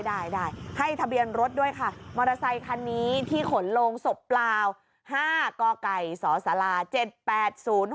ได้ได้ให้ทะเบียนรถด้วยค่ะมอเตอร์ไซคันนี้ที่ขนโรงศพเปล่า๕กไก่สศ๗๘๐๖